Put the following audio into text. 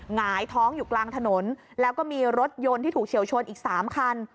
หงายท้องอยู่กลางถนนแล้วก็มีรถยนต์ที่ถูกเฉียวชนอีก๓คัน